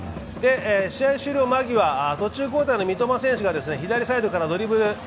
試合終了間際、途中交代の三苫選手が左サイドからドリブル。